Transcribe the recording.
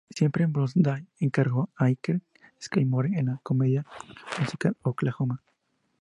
Siempre en Broadway, encarnó a "Ike Skidmore" en la comedia musical "¡Oklahoma!